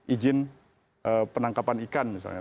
ijin penangkapan ikan misalnya